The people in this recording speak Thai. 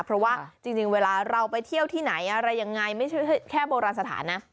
เพราะว่าจริงเวลาเราไปเที่ยวที่ไหนอะไรยังไงไม่ใช่แค่โบราณสถานนะ